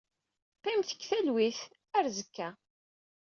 Qqimet deg talwit. Ar azekka.